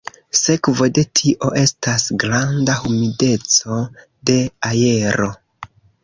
Sekvo de tio estas granda humideco de aero.